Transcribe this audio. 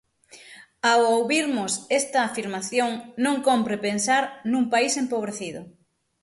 Ao ouvirmos esta afirmación non cómpre pensar nun país empobrecido.